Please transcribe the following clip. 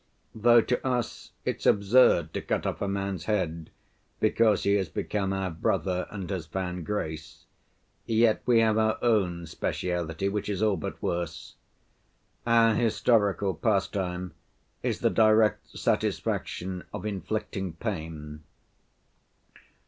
Though to us it's absurd to cut off a man's head, because he has become our brother and has found grace, yet we have our own speciality, which is all but worse. Our historical pastime is the direct satisfaction of inflicting pain.